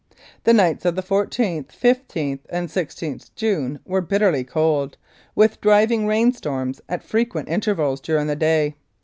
The nights of the I4th, I5th, and i6th June were bitterly cold, with driving rainstorms at frequent intervals during the day.